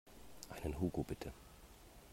Einen Hugo bitte.